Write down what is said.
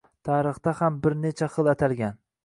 Tarixda ham bir necha xil atalgan